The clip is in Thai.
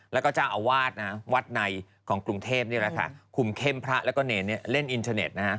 แล้วก็เจ้าอาวาสวัดในของกรุงเทพฯคุมเข้มพระแล้วก็เล่นอินเทอร์เน็ต